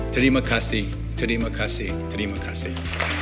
terima kasih terima kasih terima kasih